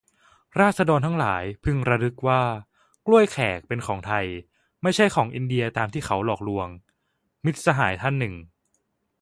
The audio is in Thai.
"ราษฎรทั้งหลายพึงระลึกว่า กล้วยแขกเป็นของไทย ไม่ใช่ของอินเดียตามที่เขาหลอกลวง" - มิตรสหายท่านหนึ่ง